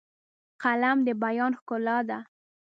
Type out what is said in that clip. قلم د بیان ښکلا ده